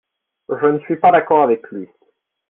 je ne suis pas d'accord avec lui.